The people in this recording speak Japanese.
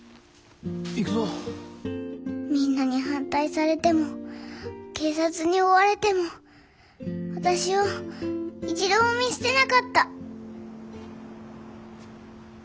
みんなに反対されても警察に追われても私を一度も見捨てなかった。